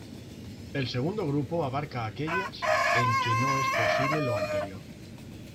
El segundo grupo abarca aquellas en que no es posible lo anterior.